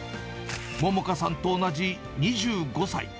桃佳さんと同じ２５歳。